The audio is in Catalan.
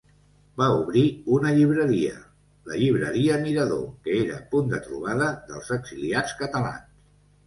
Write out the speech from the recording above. Va obrir una llibreria, la Llibreria Mirador, que era punt de trobada dels exiliats catalans.